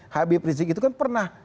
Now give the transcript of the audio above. habib rizik itu kan pernah